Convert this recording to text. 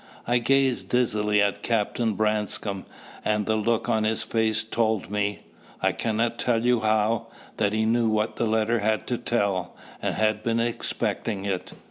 I gazed dizzily at Captain Branscome, and the look on his face told me I cannot tell you how that he knew what the letter had to tell, and had been expecting it.